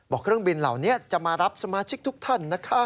เครื่องบินเหล่านี้จะมารับสมาชิกทุกท่านนะคะ